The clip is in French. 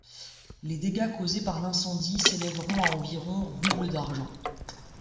Les dégâts causés par l'incendie s'élèveront à environ roubles d'argent.